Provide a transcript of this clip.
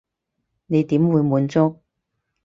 你點會滿足？